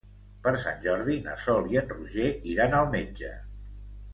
Per Sant Jordi na Sol i en Roger iran al metge.